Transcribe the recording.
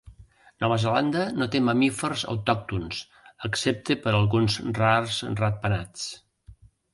Nova Zelanda no té mamífers autòctons, excepte per alguns rars ratpenats.